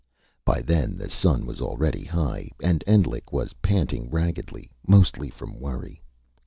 By then the sun was already high. And Endlich was panting raggedly mostly from worry.